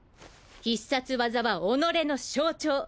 必殺技は己の象徴！